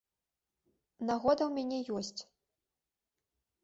Нагода ў мяне ёсць.